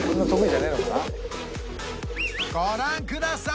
ご覧ください